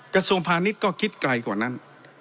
กระทรวงพาณิชย์ก็คิดไกลกว่านั้น